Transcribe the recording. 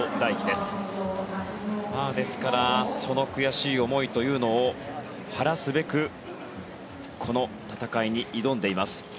ですから、その悔しい思いというのを晴らすべくこの戦いに挑んでいます。